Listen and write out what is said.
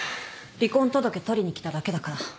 離婚届取りに来ただけだから。